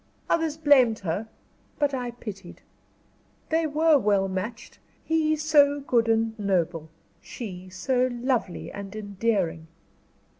Others blamed her, but I pitied. They were well matched; he so good and noble; she, so lovely and endearing."